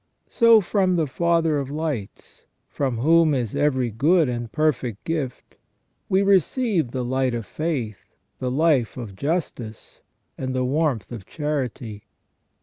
So from the Father of Lights, from whom is every good and perfect gift, we receive the light of faith, the life of justice, and the warmth of charity.